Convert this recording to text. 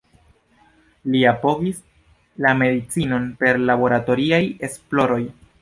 Li apogis la medicinon per laboratoriaj esploroj.